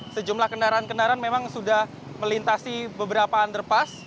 sejumlah kendaraan kendaraan memang sudah melintasi beberapa underpass